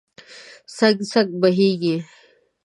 څک، څک بهیږې